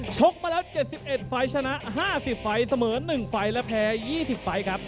ชกมาแล้ว๗๑ไฟล์ชนะ๕๐ไฟล์เสมอ๑ไฟล์และแพ้๒๐ไฟล์ครับ